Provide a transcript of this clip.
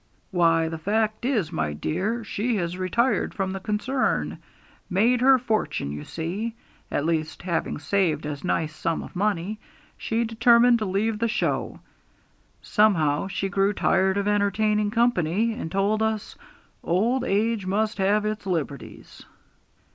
Why, the fact is, my dear, she has retired from the concern. Made her fortune, you see. At least, having saved a nice sum of money, she determined to leave the show. Somehow, she grew tired of entertaining company, and told us "old age must have its liberties."'